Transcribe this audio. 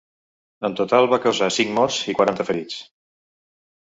En total, va causar cinc morts i quaranta ferits.